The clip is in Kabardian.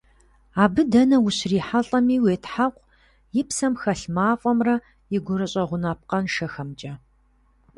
Абы дэнэ ущрихьэлӀэми, уетхьэкъу и псэм хэлъ мафӀэмрэ и гурыщӀэ гъунапкъэншэхэмкӀэ.